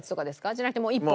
じゃなくてもう一本？